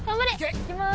いきます。